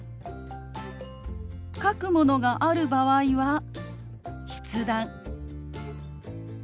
書くものがある場合は筆談。